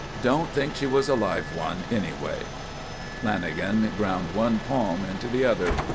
Don't think she was a live one, anyway." Lanagan ground one palm into the other.